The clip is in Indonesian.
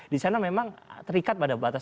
di sana memang terikat pada batas